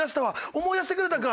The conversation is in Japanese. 思い出してくれたか！